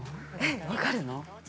分かるの？